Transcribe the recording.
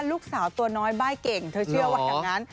ลูกสาวตัวน้อยบ้ายเก่งเธอเชื่อว่าอย่างนั้น